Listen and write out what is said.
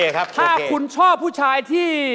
ถ้าคุณชอบผู้ชายที่